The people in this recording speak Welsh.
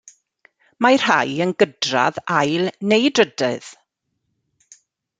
Mae rhai yn gydradd ail neu drydydd.